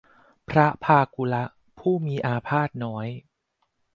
พระพากุละ ผู้มีอาพาธน้อย